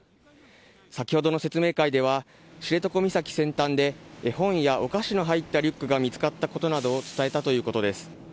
先ほどの説明会では知床岬先端で絵本やお菓子が入ったリュックが見つかったことなどを伝えたということです。